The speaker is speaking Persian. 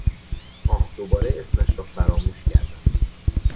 آخ دوباره اسمش را فراموش کردم!